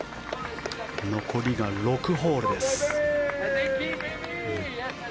残りが６ホールです。